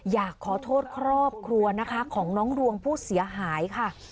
อยากขอโทษครอบครัวนะคะของน้องรวงผู้เสียหายค่ะ